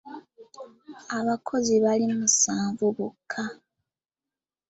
Abakozi baali musanvu bokka.